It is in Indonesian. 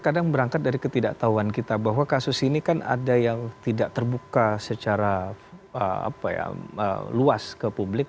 kadang berangkat dari ketidaktahuan kita bahwa kasus ini kan ada yang tidak terbuka secara luas ke publik